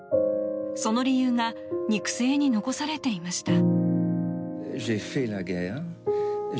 その理由が肉声に残されていました。